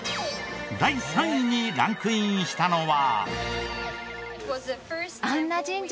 第３位にランクインしたのは。